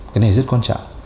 cái này rất quan trọng